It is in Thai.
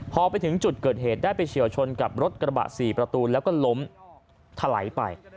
พอไปถึงจุดเกิดเหตุได้ไปเฉียวชนกับรถกระบะ๔ประตูแล้วก็ล้มถลายไป